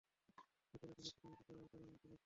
রাতের আকাশে ঝিকিমিকি করা তারার মতো লাগছে!